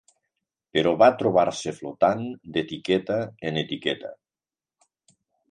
Però va trobar-se flotant d'etiqueta en etiqueta.